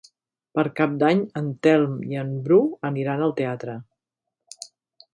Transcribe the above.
Per Cap d'Any en Telm i en Bru aniran al teatre.